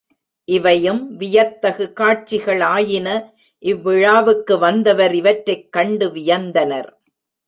இவையும் வியத்தகு காட்சிகள் ஆயின இவ்விழாவுக்கு வந்தவர் இவற்றைக் கண்டு வியந்தனர்.